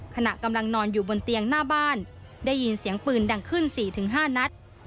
ขณะกำลังนอนอยู่บนเตียงหน้าบ้านได้ยินเสียงปืนดังขึ้น๔๕นัด